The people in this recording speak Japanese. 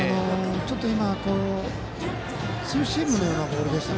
ちょっと今ツーシームのようなボールでした。